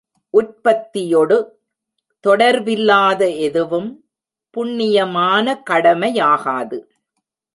உற்பத்தியொடு தொடர்பில்லாத எதுவும் புண்ணியமான கடமையாகாது.